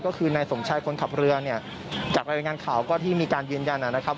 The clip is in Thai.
ก็คือนายสมชายคนขับเรือเนี่ยจากรายงานข่าวก็ที่มีการยืนยันนะครับ